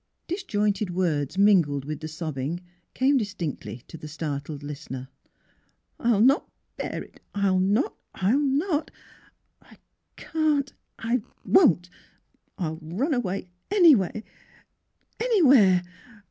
Disjointed words mingled with the sobbing came distinctly to the startled listener. '^'11 not bear it— I'll not! I'll not! I can't— I won't! I — I'll run away — anywhere — any where!